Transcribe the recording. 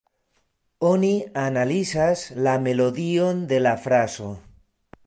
Oni analizas la melodion de la frazo.